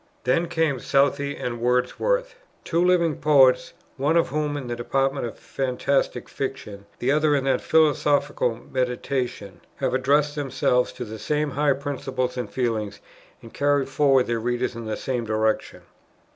Then come Southey and Wordsworth, "two living poets, one of whom in the department of fantastic fiction, the other in that of philosophical meditation, have addressed themselves to the same high principles and feelings, and carried forward their readers in the same direction."